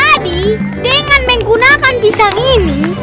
jadi dengan menggunakan pisang ini